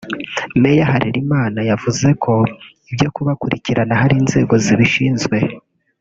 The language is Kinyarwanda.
Mayor Harerimana yavuze ko ‘ibyo kubakurikirana hari inzego zibishinzwe’